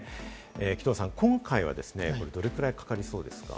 紀藤さん、今回はどれぐらいかかりそうですか？